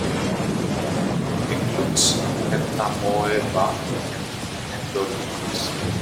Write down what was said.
It includes "Entamoeba" and "Endolimax".